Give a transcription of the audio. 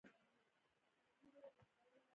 د کوه قاف ښاپېرۍ.